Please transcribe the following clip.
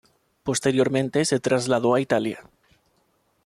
Posteriormente se trasladó a Italia.